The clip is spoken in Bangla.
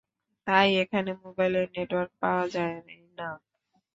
তাই এখানে মোবাইলের নেটওয়ার্ক পাওয়া যাইনা।